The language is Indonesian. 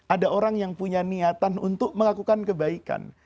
ada orang yang punya niatan untuk melakukan kebaikan